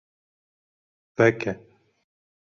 Veke.